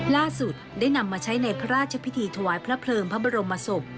ล่าสุดได้นำมาใช้ในพระราชพิธีถวายพระเพลิงพระบรมศพ